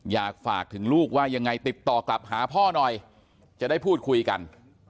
อยากฝากถึงลูกว่ายังไงติดต่อกลับหาพ่อหน่อยจะได้พูดคุยกัน